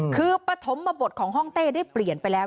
คือปฐมบทของห้องเต้ได้เปลี่ยนไปแล้ว